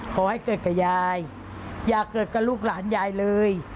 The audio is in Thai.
ขอให้เกิดกับยายอย่าเกิดกับลูกหลานยายเลย